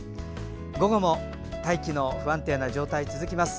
午後も大気の不安定な状態が続きます。